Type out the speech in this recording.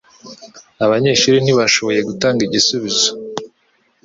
Abanyeshuri ntibashoboye gutanga igisubizo.